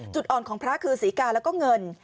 จุดอ่อนของพระคือศรีกาแล้วก็เงิน